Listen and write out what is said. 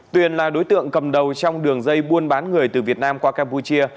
tuyền là đối tượng cầm đầu trong đường dây buôn bán người từ việt nam qua campuchia